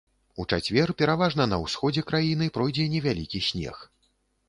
У чацвер пераважна на ўсходзе краіны пройдзе невялікі снег.